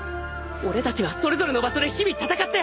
俺たちはそれぞれの場所で日々戦って。